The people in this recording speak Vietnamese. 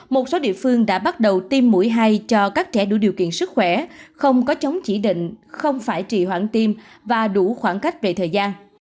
một số địa phương đã bắt đầu tiêm mũi hai cho các trẻ đủ điều kiện sức khỏe không có chống chỉ định không phải trì hoãn tiêm và đủ khoảng cách về thời gian